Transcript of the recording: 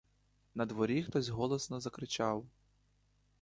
На дворі хтось голосно закричав.